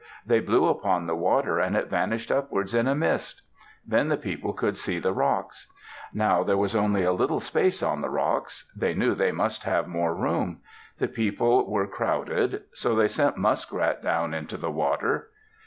They blew upon the water and it vanished upwards, in a mist. Then the people could see the rocks. Now there was only a little space on the rocks. They knew they must have more room. The people were crowded. So they sent Muskrat down into the water.